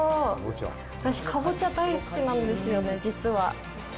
私、カボチャ大好きなんですよね、実は。